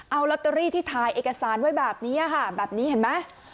เอาลอตเตอรี่ที่ถ่ายเอกสารไว้แบบนี้ค่ะแบบนี้เห็นไหม